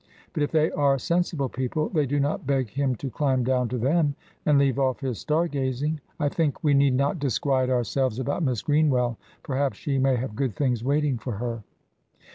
But if they are sensible people they do not beg him to climb down to them, and leave off his star gazing. I think we need not disquiet ourselves about Miss Greenwell; perhaps she may have good things waiting for her."